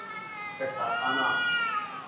katakana